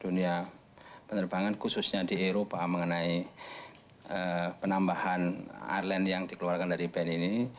dunia penerbangan khususnya di eropa mengenai penambahan airline yang dikeluarkan dari band ini